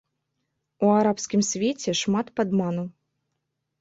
У арабскім свеце шмат падману.